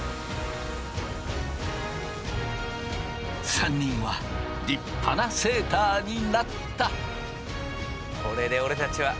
３人は立派なセーターになった。